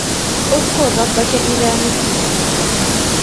اذْكُر رَّبَّكَ إِذَا نَسِيتَ.